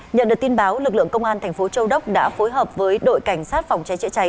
nhận được tin báo lực lượng công an thành phố châu đốc đã phối hợp với đội cảnh sát phòng cháy chữa cháy